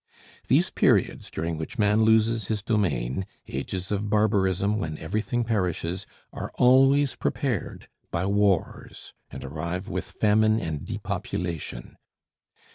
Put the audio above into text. These periods during which man loses his domain, ages of barbarism when everything perishes, are always prepared by wars and arrive with famine and depopulation.